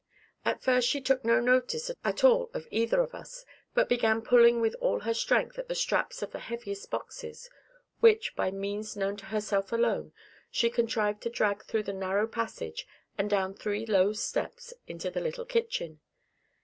At first she took no notice at all of either of as, but began pulling with all her strength at the straps of the heaviest boxes, which, by means known to herself alone, she contrived to drag through the narrow passage, and down three low steps into the little kitchen.